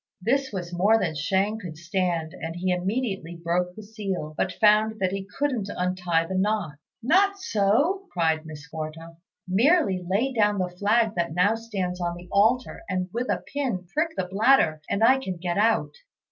This was more than Shang could stand, and he immediately broke the seal, but found that he couldn't untie the knot. "Not so," cried Miss Quarta; "merely lay down the flag that now stands on the altar, and with a pin prick the bladder, and I can get out."